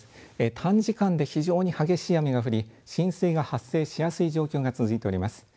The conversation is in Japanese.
短時間で非常に激しい雨が降り浸水が発生しやすい状況が続いております。